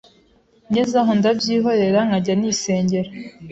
ngeze aho ndabyihorera nkajya nisengera